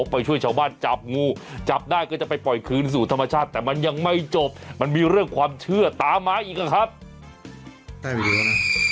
ประหลาดร้อยหรอประหลาดร้อยประหลาดร้อยประหลาดร้อยประหลาดร้อย